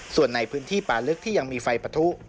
ส่วนในพื้นที่ป่าลึกที่ยังมีไฟปะทุ